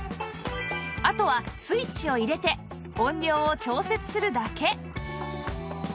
あとはスイッチを入れて音量を調節するだけ